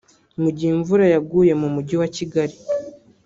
Mu gihe imvura yaguye mu mujyi wa Kigali